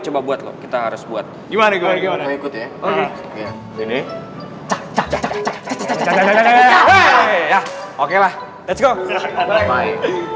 coba buat kita harus buat gimana gimana ikut ya oke oke lah let's go bye bye